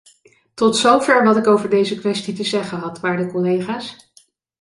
Tot zover wat ik over deze kwestie te zeggen had, waarde collega's.